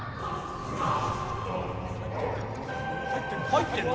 入ってるの？